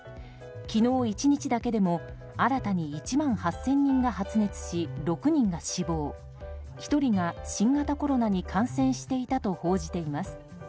昨日１日だけでも新たに１万８０００人が発熱し６人が死亡１人が新型コロナに感染していたと報じています。